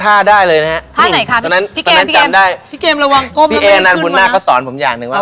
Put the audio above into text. ใช่พี่อดัมรุนาคสอนมา